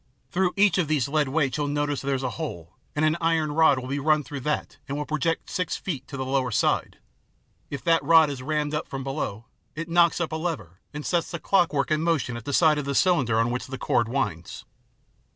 " Through each of these lead weights you notice there is a hole, and an iron rod will be run through that and will project six feet on the lower side. If that rod is rammed up from below, it knocks up a lever and sets the clockwork in motion at the side of the cylinder on which the cord winds.